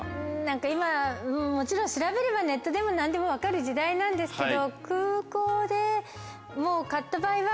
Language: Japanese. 今もちろん調べればネットでも何でも分かる時代なんですけど。